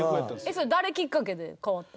それ誰きっかけで変わった？